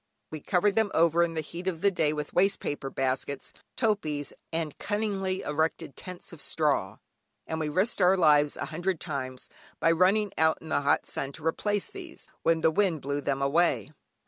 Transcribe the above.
We covered them over in the heat of the day with waste paper baskets, topees, and cunningly erected tents of straw, and we risked our lives a hundred times, by running out in the hot sun to replace these, when the wind blew them away.